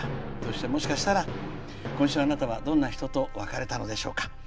もしかしたら今週、あなたはどんな人と別れたのでしょうか。